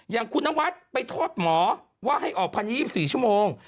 อย่างคุณนวัดไปโทษหมอว่าให้ออกพันธ์๒๔ชั่วโมง